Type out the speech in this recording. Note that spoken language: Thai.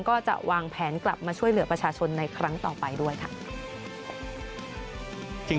ก็จะวางแผนกลับมาช่วยเหลือประชาชนในครั้งต่อไปด้วยค่ะ